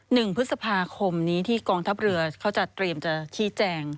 หนึ่งพฤษภาคมนี้ที่กองทัพเรือเขาจะเตรียมจะชี้แจง